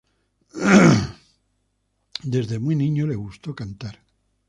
Desde muy niño le gustó cantar.